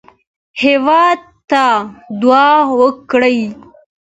هېواد ته دعا وکړئ